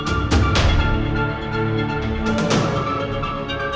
aku gak bisa ketemu mama lagi